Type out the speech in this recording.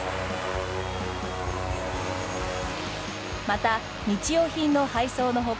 また日用品の配送の他